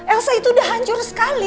elsa itu udah hancur sekali